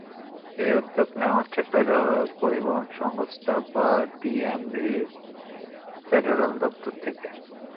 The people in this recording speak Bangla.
এই উদ্যোগ নেওয়া হচ্ছে ফেডারেল পরিবহন সংস্থা বা ডিএমভির ফেডারেল দপ্তর থেকে।